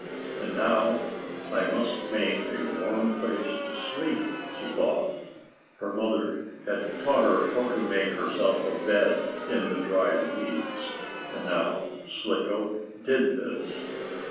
"And now I must make a warm place to sleep," she thought. Her mother had taught her how to make herself a bed in the dried leaves, and now Slicko did this.